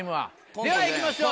ではいきましょう。